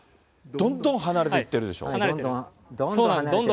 どんどん離れていってますよね。